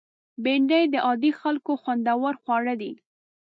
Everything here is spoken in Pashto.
بېنډۍ د عادي خلکو خوندور خواړه دي